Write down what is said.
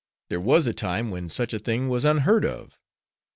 There was a time when such a thing was unheard of.